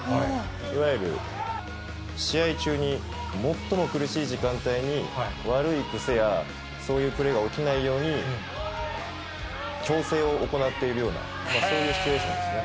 いわゆる、試合中に、最も苦しい時間帯に、悪い癖やそういうプレーが起きないように、矯正を行っているような、そういうシチュエーションですね。